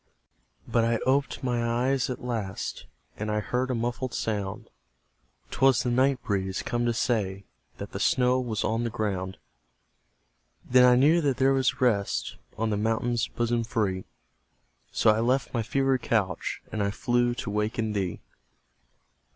But I oped my eyes at last, And I heard a muffled sound; 'Twas the night breeze, come to say That the snow was on the ground. Then I knew that there was rest On the mountain's bosom free; So I left my fevered couch, And I flew to waken thee!